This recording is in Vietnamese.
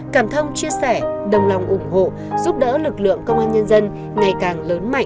cảm thông chia sẻ đồng lòng ủng hộ giúp đỡ lực lượng công an nhân dân ngày càng lớn mạnh